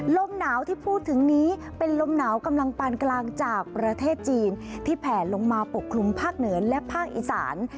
ลมหนาวที่พูดถึงนี้เป็นลมหนาวกำลังปานกลางจากประเทศจีนที่แผ่ลงมาปกคลุมภาคเหนือและภาคอีสาน